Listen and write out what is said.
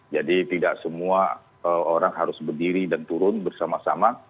jadi tidak semua orang harus berdiri dan turun bersama sama